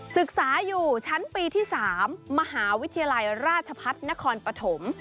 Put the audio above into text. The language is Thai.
ศึกษาอยู่ชั้นปีที่๓มหาวิทยาลัยราชพัฒนครปฐม